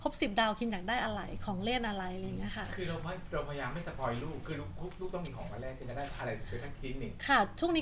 พบ๑๐ดาวคุณอยากได้อะไรของเล่นอะไร